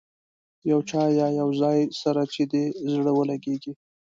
یو چا یا یو ځای سره چې دې زړه ولګېږي.